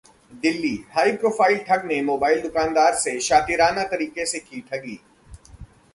Delhi: high profile ठग ने mobile दुकानदार से शातिराना तरीके से की ठगी